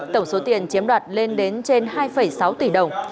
tổng số tiền chiếm đoạt lên đến trên hai sáu tỷ đồng